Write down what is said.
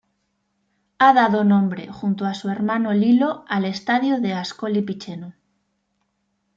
Ha dado nombre, junto a su hermano Lillo, al estadio de Ascoli Piceno.